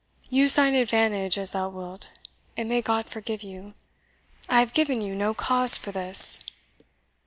Use thine advantage as thou wilt, and may God forgive you! I have given you no cause for this."